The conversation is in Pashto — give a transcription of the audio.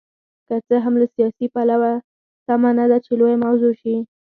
که څه هم له سیاسي پلوه سمه نه ده چې لویه موضوع شي.